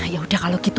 yaudah kalau gitu